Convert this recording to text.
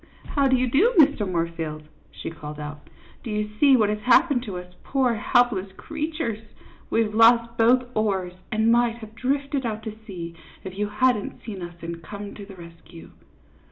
How do you do, Mr. Moorfield," she called out. " Do you see what has happened to us poor helpless creatures ? We 've lost both oars, and might have drifted out to sea if you hadn't seen us and come to the rescue."